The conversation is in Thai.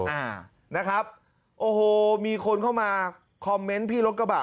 อ่านะครับโอ้โหมีคนเข้ามาคอมเมนต์พี่รถกระบะ